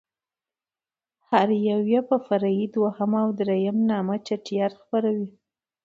هر يو يې په فرعي دوهم او درېم نامه چټياټ خپروي.